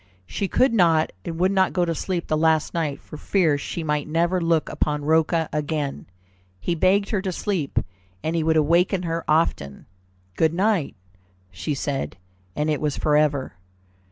She could not and would not go to sleep the last night, for fear she might never look upon Rocca again. He begged her to sleep and he would awaken her often. "Good night," she said, and it was forever.